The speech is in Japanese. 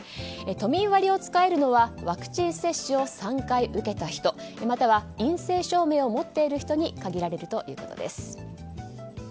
都民割を使えるのはワクチン接種を３回受けた人または陰性証明を持っている人に限られるということです。